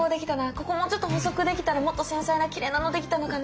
ここもうちょっと細くできたらもっと繊細なきれいなのできたのかなみたいな。